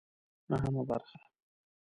نهمه برخه